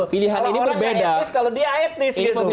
pilihan ini berbeda